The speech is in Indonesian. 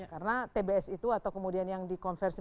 karena tbs itu atau kemudian yang dikonversi